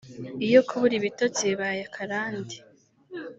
Iyo kubura ibitotsi bibaye akarande